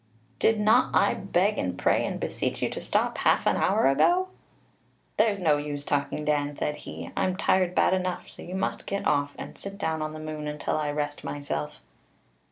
did not I beg and pray and beseech you to stop half an hour ago?' 'There's no use talking, Dan,' said he; 'I'm tired bad enough, so you must get off, and sit down on the moon until I rest myself.'